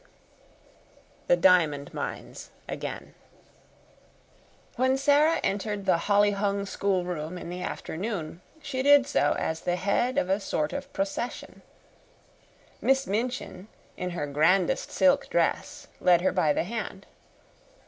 7 The Diamond Mines Again When Sara entered the holly hung schoolroom in the afternoon, she did so as the head of a sort of procession. Miss Minchin, in her grandest silk dress, led her by the hand.